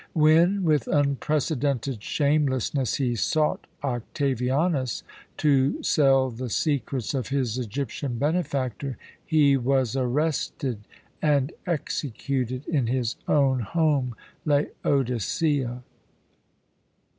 When, with unprecedented shamelessness, he sought Octavianus to sell the secrets of his Egyptian benefactor, he was arrested and executed in his own home, Laodicea.